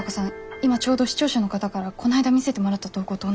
今ちょうど視聴者の方からこないだ見せてもらった投稿と同じ。